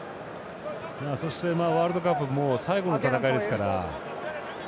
そして、ワールドカップもう最後の戦いですから。